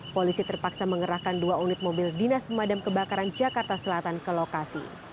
polisi terpaksa mengerahkan dua unit mobil dinas pemadam kebakaran jakarta selatan ke lokasi